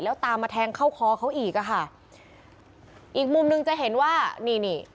แล้วตามมาแทงเข้าคอเขาอีกอ่ะค่ะอีกมุมหนึ่งจะเห็นว่านี่นี่